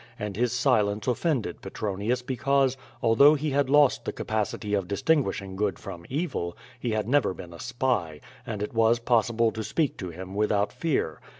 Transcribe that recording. And his si lence offended Petronius because, although he had lost the capacity of distinguishing good from evil, he had never been a spy — ^and it was possible to speak to him without fear.